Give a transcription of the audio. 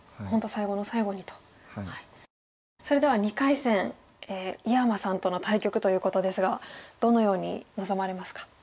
それでは２回戦井山さんとの対局ということですがどのように臨まれますか？